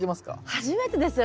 初めてですよ